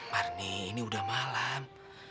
marnie ini sudah malam